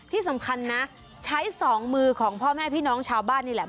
ที่สำคัญนะใช้สองมือของพ่อแม่พี่น้องชาวบ้านนี่แหละ